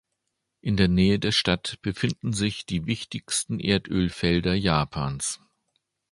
In der Nähe der Stadt befinden sich die wichtigsten Erdölfelder Japans.